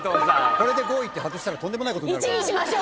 これで５いって外したらとんでもないことになる。